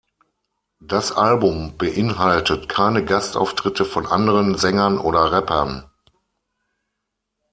Das Album beinhaltet keine Gastauftritte von anderen Sängern oder Rappern.